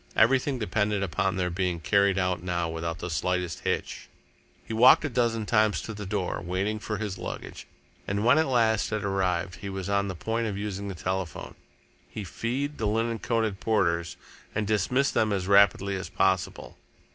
Everything depended upon their being carried out now without the slightest hitch. He walked a dozen times to the door, waiting for his luggage, and when at last it arrived he was on the point of using the telephone. He feed the linen coated porters and dismissed them as rapidly as possible.